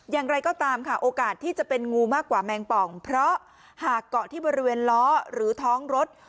อย่างไรก็ตามค่ะโอกาสที่จะเป็นงูมากกว่าแมงป่องเพราะหากเกาะที่บริเวณล้อหรือท้องรถ